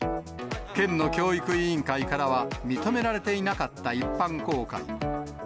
県の教育委員会からは、認められていなかった一般公開。